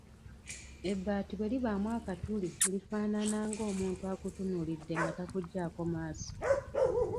Ebbaati bwe libaamu akatuli lifaanana ng’omuntu akutunuulidde nga takuggyako maaso.